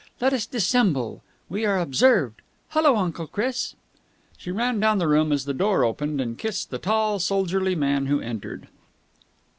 Let us dissemble. We are observed!... Hullo, Uncle Chris!" She ran down the room, as the door opened, and kissed the tall, soldierly man who entered.